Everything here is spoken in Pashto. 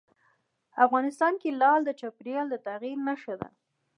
افغانستان کې لعل د چاپېریال د تغیر نښه ده.